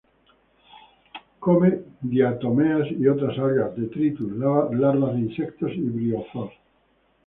Come diatomeas y otras algas, detritus, larvas de insectos y briozoos.